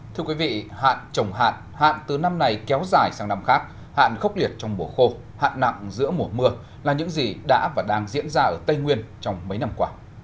thưa quý vị hạn trồng hạn hạn từ năm này kéo dài sang năm khác hạn khốc liệt trong mùa khô hạn nặng giữa mùa mưa là những gì đã và đang diễn ra ở tây nguyên trong mấy năm qua